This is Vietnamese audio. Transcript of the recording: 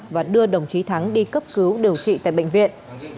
và đưa đồng chí thắng đi cấp cứu điều trị tại bệnh viện